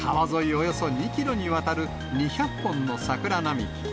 およそ２キロにわたる２００本の桜並木。